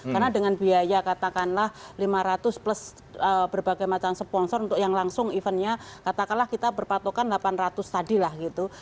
karena dengan biaya katakanlah lima ratus plus berbagai macam sponsor untuk yang langsung eventnya katakanlah kita berpatokan delapan ratus tadi lah gitu